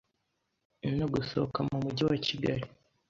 no gusohoka mu Mujyi wa Kigali